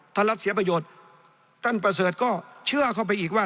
ถ้ารัฐเสียประโยชน์ท่านประเสริฐก็เชื่อเข้าไปอีกว่า